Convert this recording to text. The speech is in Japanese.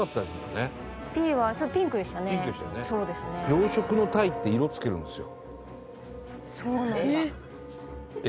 養殖のタイって色つけるんですよ。